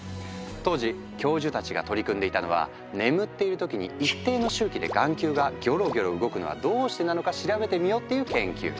当時教授たちが取り組んでいたのは「眠っているときに一定の周期で眼球がギョロギョロ動くのはどうしてなのか調べてみよう」っていう研究。